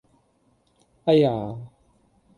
「哎呀」